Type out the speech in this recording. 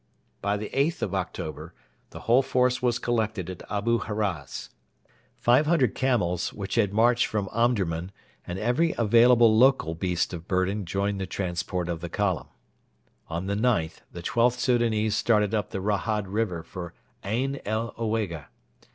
By the 8th of October the whole force was collected at Abu Haraz. Five hundred camels, which had marched from Omdurman, and every available local beast of burden joined the transport of the column. On the 9th the XIIth Soudanese started up the Rahad river for Ain el Owega.